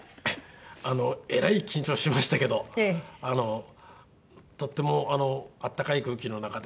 あのえらい緊張しましたけどとってもあったかい空気の中で。